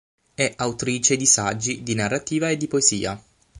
È autrice di saggi, di narrativa e di poesia.